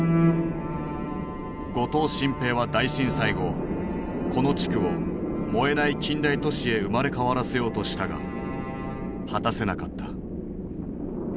後藤新平は大震災後この地区を「燃えない近代都市」へ生まれ変わらせようとしたが果たせなかった。